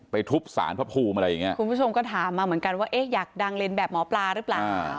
ทุบสารพระภูมิอะไรอย่างเงี้ยคุณผู้ชมก็ถามมาเหมือนกันว่าเอ๊ะอยากดังเลนแบบหมอปลาหรือเปล่า